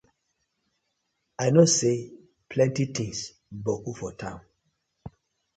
I kno say plenty tinz boku for town.